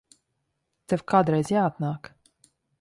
Tev kādreiz jāatnāk.